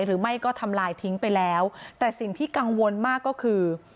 หรือไม่ก็ทำลายทิ้งไปแล้วแต่สิ่งที่กังวลมากก็คือ